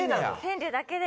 川柳だけで。